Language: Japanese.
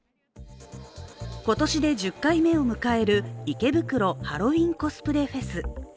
今年で１０回目を迎える池袋ハロウィンコスプレフェス。